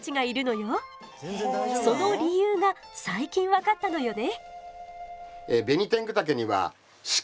その理由が最近分かったのよね。